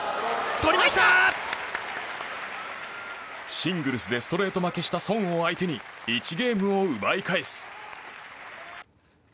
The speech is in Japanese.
シングルスでストレート負けしたソンを相手に１ゲームを奪い返す。